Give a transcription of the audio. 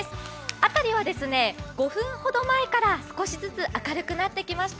辺りは５分ほど前から少しずつ明るくなってきました。